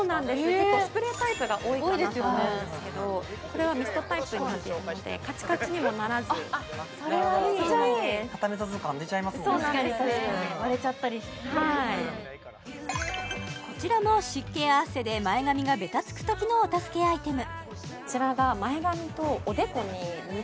結構スプレータイプが多いかなと思うんですけどこれはミストタイプになっているのでカチカチにもならずそれはいいめっちゃいい割れちゃったりしてねこちらも湿気や汗で前髪がベタつくときのお助けアイテム